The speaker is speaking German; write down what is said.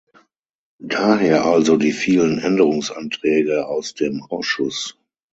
Daher also die vielen Änderungsanträge aus dem Ausschuss.